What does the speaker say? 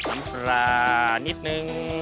อำลานิดนึง